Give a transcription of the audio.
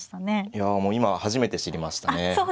いや今初めて知りましたね。